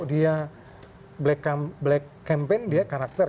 dia black campaign dia karakter